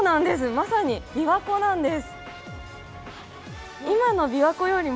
まさに琵琶湖なんです。